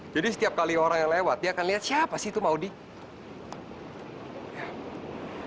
jadi setiap kali orang yang lewat dia akan lihat siapa sih itu maudie